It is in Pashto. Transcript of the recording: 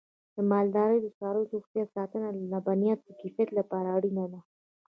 د مالدارۍ د څارویو روغتیا ساتنه د لبنیاتو د کیفیت لپاره اړینه ده.